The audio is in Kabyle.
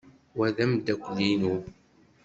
Wa d ameddakel-inu.